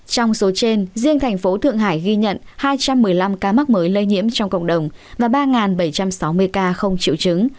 trong số trên riêng thành phố thượng hải ghi nhận hai trăm một mươi năm ca mắc mới lây nhiễm trong cộng đồng và ba bảy trăm sáu mươi ca không triệu chứng